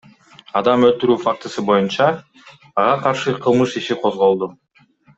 Адам өлтүрүү фактысы боюнча ага каршы кылмыш иши козголду.